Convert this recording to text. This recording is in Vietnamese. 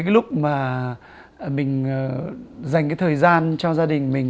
có những lúc mà mình dành thời gian cho gia đình mình